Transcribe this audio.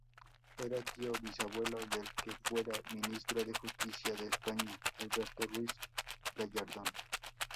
Era tío bisabuelo del que fuera Ministro de Justicia de España, Alberto Ruiz-Gallardón.